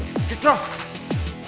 yang berbicara dengan baik